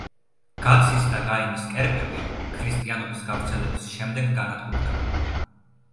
გაცის და გაიმის კერპები ქრისტიანობის გავრცელების შემდეგ განადგურდა.